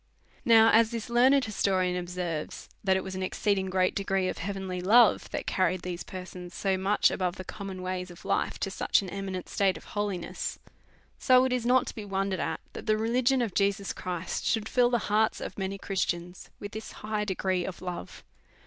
Now, as this learned historian observes, that it was an exceeding great degree ot heavenly love tliat car ried these persons so much above the common ways of life to such an eminent state of holiness, so it is not to be wondered at that the religion of Jesus Christ should fill the hearts of many Christians with this high de gree of love.